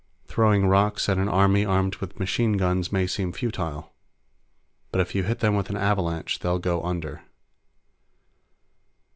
Throwing rocks at an army armed with machine guns may seem futile, but if you hit them with an avalanche, they'll go under.